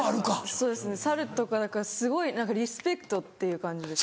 そうですねサルとかすごいリスペクトっていう感じです。